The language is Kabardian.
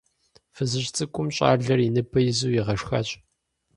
Фызыжь цӀыкӀум щӀалэр и ныбэ изу игъашхащ.